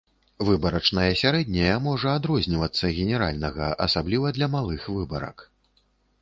Выбарачнае сярэдняе можа адрознівацца генеральнага, асабліва для малых выбарак.